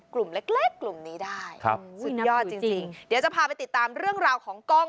กลุ่มเล็กกลุ่มนี้ได้สุดยอดจริงเดี๋ยวจะพาไปติดตามเรื่องราวของกอง